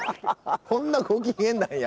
そんなご機嫌なんや。